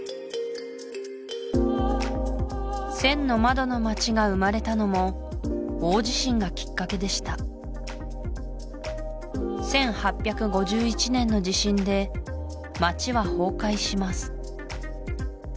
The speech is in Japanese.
千の窓の町が生まれたのも大地震がきっかけでした１８５１年の地震で町は崩壊します